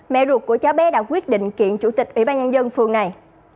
mẹ ruột của cháu bé đã quyết định kiện chủ tịch ủy ban nhân dân phường này